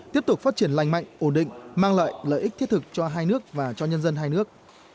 tiếp tục phát triển lành mạnh ổn định mang lại lợi ích thiết thực cho hai nước và cho nhân dân hai nước